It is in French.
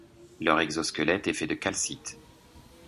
Leur exosquelette est fait de calcite.